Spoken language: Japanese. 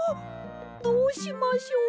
どうしましょう。